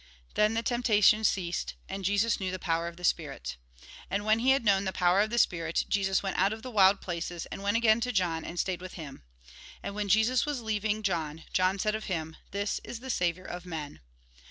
Then the temptation ceased, and Jesus knew the power of the spirit. And when he had known the power of the spirit, Jesus went out of the wild places, and went again to John, and stayed with him. And when Jesus was leaving John, John said of him :" This is the saviour of men."